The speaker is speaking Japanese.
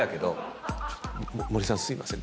森さんすいません。